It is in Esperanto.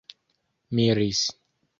miris